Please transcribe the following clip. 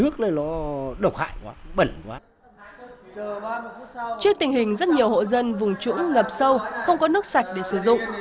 trước tình hình rất nhiều hộ dân vùng trũng ngập sâu không có nước sạch để sử dụng